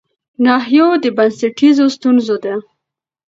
ناحيو د بنسټيزو ستونزو د